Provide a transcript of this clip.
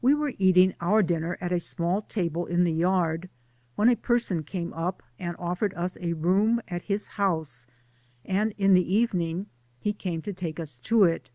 We were eating our dinner at a small table in the yard, when a person came up and ofiPered us a room at his house, and in the evening he came to take us to it.